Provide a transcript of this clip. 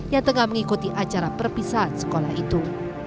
yang tengah mengikuti acara perpisahan sekolah itu